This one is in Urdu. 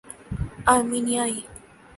آرمینیائی